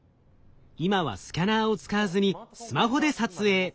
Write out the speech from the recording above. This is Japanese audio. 今はスキャナーを使わずにスマホで撮影。